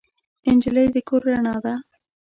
نجلۍ د کور رڼا ده.